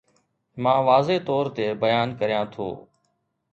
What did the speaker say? مان واضح طور تي بيان ڪريان ٿو